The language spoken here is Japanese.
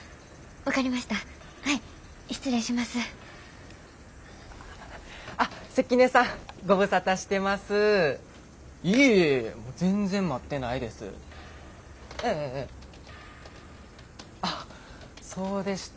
分かりました。